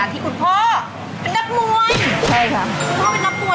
ที่คุณพ่อเป็นนักมวย